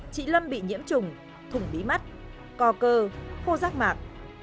chị lâm bị nhiễm trùng thùng bí mắt co cơ khô rác mạc